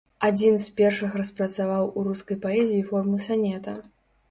Адзін з першых распрацаваў у рускай паэзіі форму санета.